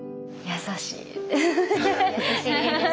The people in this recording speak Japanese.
優しい。